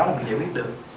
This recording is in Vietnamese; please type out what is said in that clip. là mình giải quyết được